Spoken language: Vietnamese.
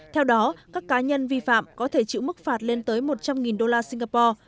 theo đó các cá nhân vi phạm có thể chịu mức phạt lên tới một trăm linh đô la singapore